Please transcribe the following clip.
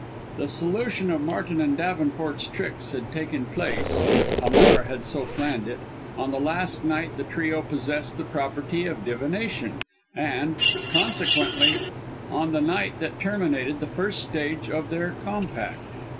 The solution of Martin and Davenports' tricks had taken place (Hamar had so planned it) on the last night the trio possessed the property of divination, and, consequently, on the night that terminated the first stage of their compact.